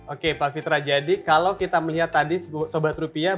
oke pak fitra jadi kalau kita melihat tadi sobat rupiah